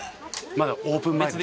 まだオープン前です。